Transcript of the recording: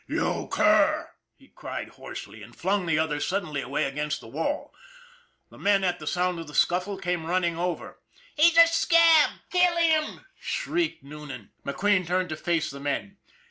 " You cur !" he cried hoarsely, and flung the other suddenly away against the wall. The men at the sound of the scuffle came running over. " He's a scab ! Kill him !" shrieked Noonan. McQueen turned to face the men.